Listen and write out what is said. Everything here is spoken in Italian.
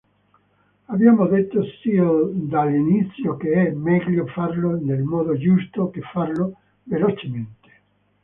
Abbiamo detto sin dall'inizio che è meglio farlo nel modo giusto che farlo velocemente.